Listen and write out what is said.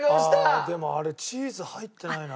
でもあれチーズ入ってないな。